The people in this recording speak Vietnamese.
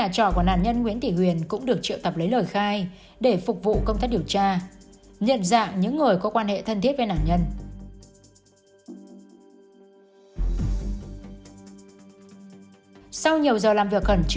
đó là nguyễn thị huyền có một nguyện vọng tìm việc làm có thu nhập cao hơn nên đã vay một năm triệu